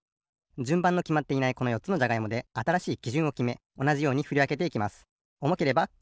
じゅんばんのきまっていないこのよっつのじゃがいもであたらしいきじゅんをきめおなじようにふりわけていきます。